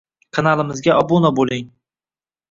Kanalimizga obuna bo'ling